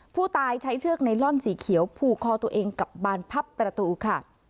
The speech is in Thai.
ผู้ตายใช้เชือกไนลอนสีเขียวผูกคอตัวเองกับบานพับประตูค่ะ